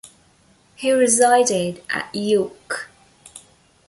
He resided at York.